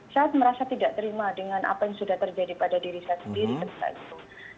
saya merasa tidak terima dengan apa yang sudah terjadi pada diri saya sendiri